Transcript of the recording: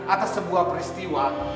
atas sebuah peristiwa